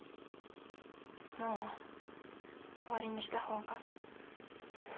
もう終わりにした方が。